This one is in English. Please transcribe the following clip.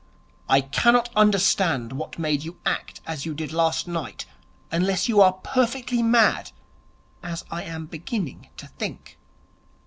'I cannot understand what made you act as you did last night, unless you are perfectly mad, as I am beginning to think.'